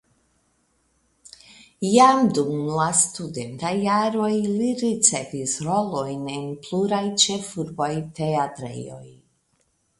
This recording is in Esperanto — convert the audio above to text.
Jam dum la studentaj jaroj li ricevis rolojn en pluraj ĉefurbaj teatrejoj.